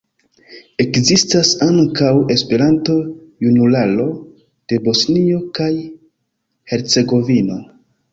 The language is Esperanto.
Ekzistas ankaŭ "Esperanto-Junularo de Bosnio kaj Hercegovino".